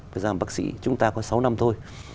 thời gian bác sĩ chúng ta có sáu năm thôi